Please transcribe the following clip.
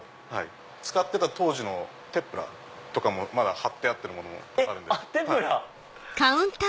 使ってた当時のテプラとかもまだ貼ってあるものもあるんで。